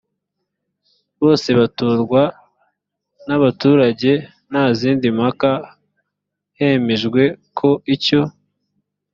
bose batorwa n abaturage nta zindi mpaka hemejwe ko icyo